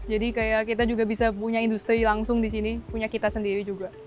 jadi kayak kita juga bisa punya industri langsung di sini punya kita sendiri juga